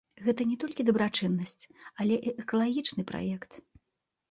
Гэта не толькі дабрачыннасць, але і экалагічны праект.